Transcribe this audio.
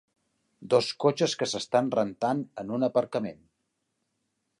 Dos cotxes que s'estan rentant en un aparcament.